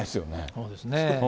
そうですね。